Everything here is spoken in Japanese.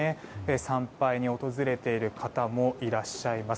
参拝に訪れている方もいらっしゃいます。